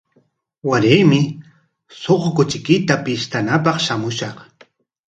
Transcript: Waraymi suqu kuchiykita pishtanapaq shamushaq.